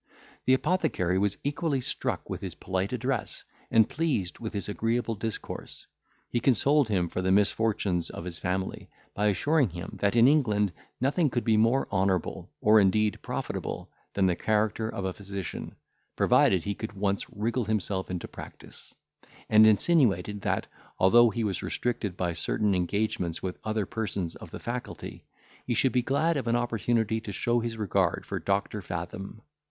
The apothecary was equally struck with his polite address, and pleased with his agreeable discourse. He consoled him for the misfortunes of his family, by assuring him, that in England nothing could be more honourable, or indeed profitable, than the character of a physician, provided he could once wriggle himself into practice; and insinuated, that, although he was restricted by certain engagements with other persons of the faculty, he should be glad of an opportunity to show his regard for Doctor Fathom.